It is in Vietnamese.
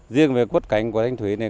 riêng về quất cảnh của thanh thủy này